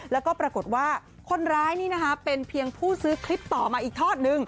แล้วก็ปรากฏว่าคนร้ายนี่นะคะเป็นเพียงผู้ซื้อคลิปต่อมาอีกทอดนึง